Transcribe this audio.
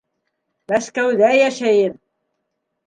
Мәскәүҙә йәшәйем!